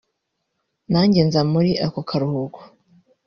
nanjye nza muri ako karuhuko